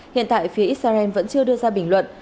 hiện tại phía israel vẫn chưa đưa ra bình luận